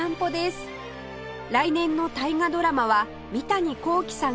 来年の大河ドラマは三谷幸喜さん